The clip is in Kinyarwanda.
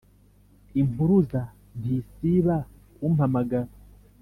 Impuruza ntisiba kumpamagara